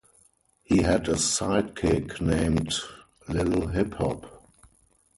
He had a sidekick named Lil Hip-Hop.